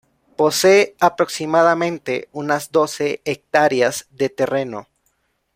Posee aproximadamente unas doce hectáreas de terreno.